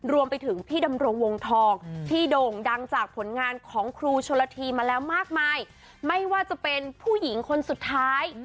รวมไปถึงพี่ดำรงวงทองที่โด่งดังจากผลงานของครูชนละทีมาแล้วมากมายไม่ว่าจะเป็นผู้หญิงคนสุดท้าย